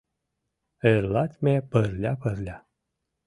Эрлат ме пырля-пырля.